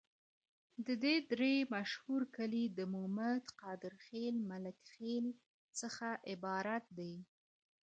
د دي درې مشهور کلي د مومد، قادر خیل، ملکیار خیل څخه عبارت دي.